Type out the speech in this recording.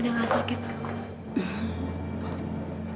udah nggak sakit kak